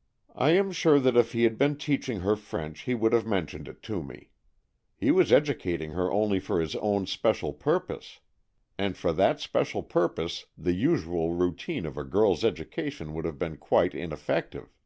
" I am sure that if he had been teaching her French, he would have mentioned it to me. He was educating her only for his own special purpose. And for that special pur pose the usual routine of a girl's education would have been quite ineffective."